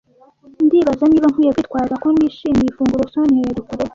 Ndibaza niba nkwiye kwitwaza ko nishimiye ifunguro Soniya yadukoreye.